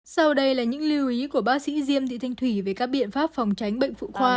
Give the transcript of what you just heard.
sau đây là những lưu ý của bác sĩ diêm thị thanh thủy về các biện pháp phòng tránh bệnh phụ khoa